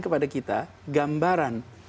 kepada kita gambaran